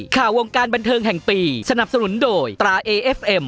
ข่าววงการบันเทิงแห่งปีสนับสนุนโดยตราเอเอฟเอ็ม